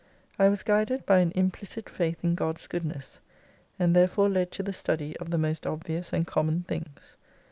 I was guided by an implicit faith in God's goodness : and therefore led to the study of the most obvious and common things.